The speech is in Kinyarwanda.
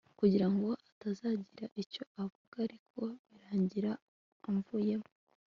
kugira ngo atazagira icyo avuga ariko birangira amvuyemo